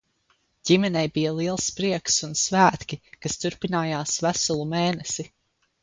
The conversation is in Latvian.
Ģimenei bija liels prieks un svētki, kas turpinājās veselu mēnesi.